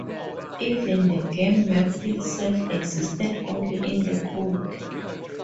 Even the game map itself existed only in the code.